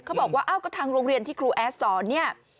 บอกว่าอ้าวก็ทางโรงเรียนที่ครูแอดสอนเนี่ย